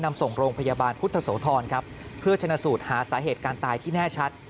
นำส่งโรงพยาบาลพุทธโสธรครับเพื่อชนะสูตรหาสาเหตุการตายที่แน่ชัด